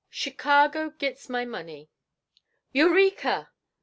'CHICARGO GITS MY MONEY.' 'Eureka!'